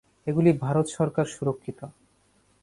এগুলি ভারত সরকার সুরক্ষিত।